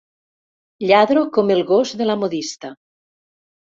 Lladro com el gos de la modista.